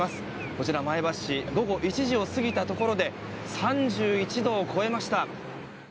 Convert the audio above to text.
こちら、前橋市午後１時を過ぎたところで３１度を超えました。